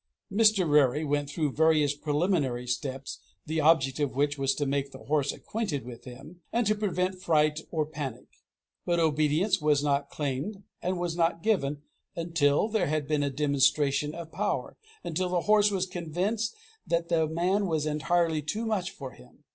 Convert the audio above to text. Mr. Rarey went through various preliminary steps, the object of which was to make the horse acquainted with him, and to prevent fright or panic. But obedience was not claimed, and was not given, until there had been a demonstration of power until the horse was convinced that the man was entirely too much for him.